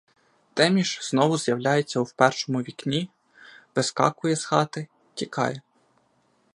Тиміш знову з'являється в першому вікні, вискакує з хати, тікає.